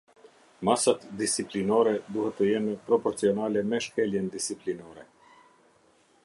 Masat disiplinore duhet të jenë proporcionale me shkeljen disiplinore.